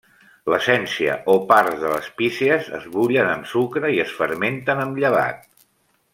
L'essència o parts de les pícees es bullen amb sucre i es fermenten amb llevat.